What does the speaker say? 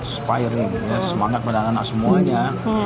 inspiring ya semangat pada anak semuanya